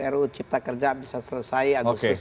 ruu cipta kerja bisa selesai agustus